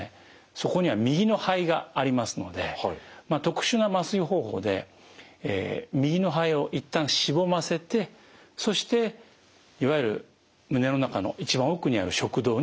そこには右の肺がありますので特殊な麻酔方法で右の肺を一旦しぼませてそしていわゆる胸の中の一番奥にある食道に到達すると。